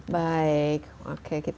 ya yang memang rentan itu